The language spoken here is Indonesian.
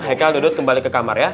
hei kal dodot kembali ke kamar ya